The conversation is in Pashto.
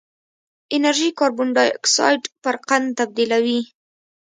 انرژي کاربن ډای اکسایډ پر قند تبدیلوي.